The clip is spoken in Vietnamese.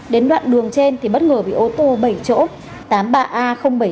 đến đoạn đường trên thì bất ngờ bị ô tô bảy chỗ